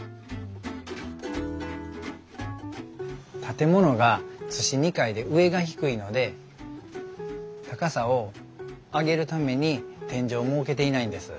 建物が厨子二階で上が低いので高さを上げるために天井を設けていないんです。